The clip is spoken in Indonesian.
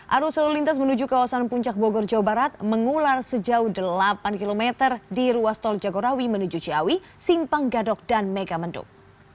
arus lalu lintas menuju kawasan puncak bogor jawa barat mengular sejauh delapan km di ruas tol jagorawi menuju ciawi simpang gadok dan megamendung